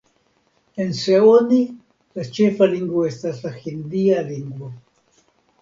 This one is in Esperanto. En Seoni la ĉefa lingvo estas la hindia lingvo.